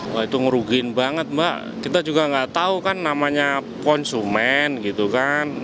wah itu ngerugiin banget mbak kita juga nggak tahu kan namanya konsumen gitu kan